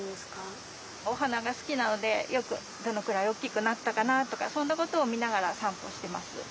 おはながすきなのでよくどのくらいおおきくなったかなとかそんなことをみながらさんぽしてます。